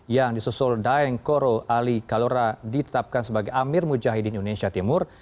yang disusul daeng koro ali kalora ditetapkan sebagai amir mujahidin indonesia timur